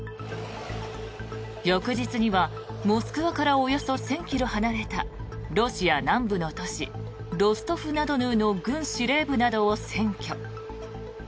翌日にはモスクワからおよそ１０００ｋｍ離れたロシア南部の都市ロストフナドヌーの軍司令部などを占拠。